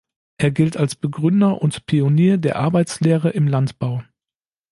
Er gilt als Begründer und Pionier der Arbeitslehre im Landbau.